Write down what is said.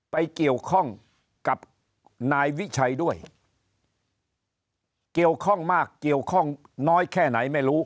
ไปเกี่ยวข้องกับนายวิชัยด้วยเกี่ยวข้องมากเกี่ยวข้องน้อยแค่ไหนไม่รู้